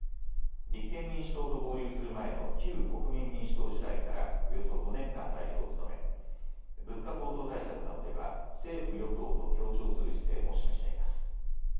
立憲民主党と合流する前の旧国民民主党時代からおよそ５年間代表を務め物価高騰対策などでは政府与党と協調する姿勢も示しています。